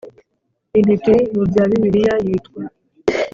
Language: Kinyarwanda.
Intiti mu bya bibiliya yitwa